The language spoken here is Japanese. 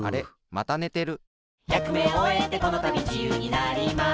またねてる。